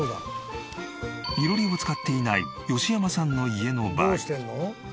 囲炉裏を使っていない吉山さんの家の場合。